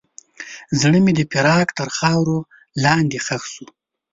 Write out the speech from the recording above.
زړه مې د فراق تر خاورو لاندې ښخ شو.